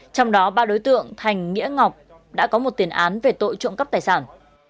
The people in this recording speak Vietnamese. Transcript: trong đó ba đối tượng thành nghĩa ngọc đã có một tiền án về tội trộm cắp tài sản